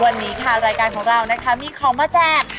วันนี้ค่ะรายการของเรานะคะมีของมาแจก